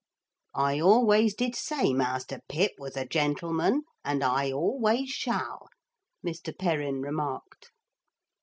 'I always did say Master Pip was a gentleman, and I always shall,' Mr. Perrin remarked.